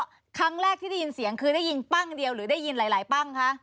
แล้วครั้งแรกที่ได้ยินเสียงคือได้ยินปั้งเดียวหรือได้ยินหลายปั้งคะ